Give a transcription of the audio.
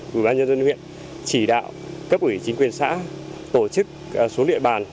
ủy ban nhân dân huyện chỉ đạo cấp ủy chính quyền xã tổ chức xuống địa bàn